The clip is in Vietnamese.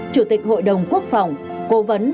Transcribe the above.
chủ tịch hội đồng quốc phòng cố vấn